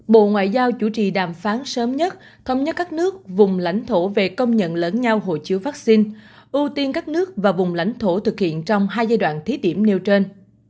bộ ngoại giao chủ trì đàm phán sớm nhất thông nhất các nước vùng lãnh thổ về công nhận lẫn nhau hội chứa vaccine ưu tiên các nước và vùng lãnh thổ thực hiện trong hai giai đoạn thí điểm nêu trên